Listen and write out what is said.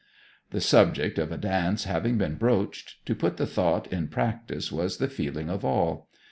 The subject of a dance having been broached, to put the thought in practice was the feeling of all.